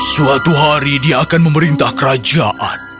suatu hari dia akan memerintah kerajaan